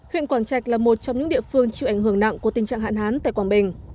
huyện quảng trạch là một trong những địa phương chịu ảnh hưởng nặng của tình trạng hạn hán tại quảng bình